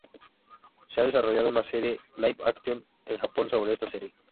Se ha desarrollado una serie live action en Japón sobre esta serie.